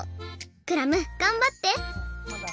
クラムがんばって！